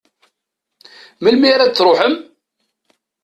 Melmi ara d-truḥem?